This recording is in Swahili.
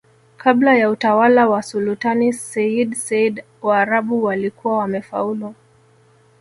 kabla ya utawala wa sulutani seyyid said Waarabu walikuwa wamefaulu